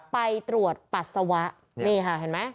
ไปตรวจปัสสาวะนี่ค่ะเห็นไหม